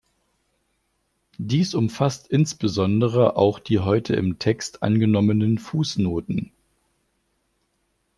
Dies umfasst insbesondere auch die heute im Text angenommenen Fußnoten.